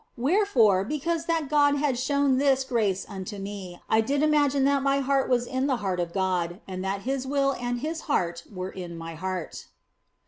Wherefore, because that God had shown this grace unto me, I did imagine that my heart was in the heart of God and that His will and His heart were in my heart.